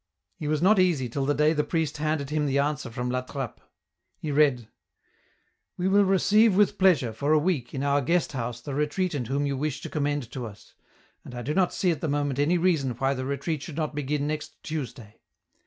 He was not easy till the day the priest handed him the answer from La Trappe. He read :—" We will receive with pleasure, for a week, in our guest house the retreatant whom you wish to commend to us, and I do not see at the moment any reason why the retreat should not begin next Tuesday.